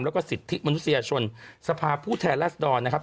และก็สิทธิมนุษยชนสภาพผู้แทนลักษณ์ดอนนะครับ